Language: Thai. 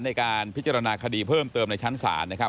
ในการพิจารณาคดีเพิ่มเติมในชั้นศาลนะครับ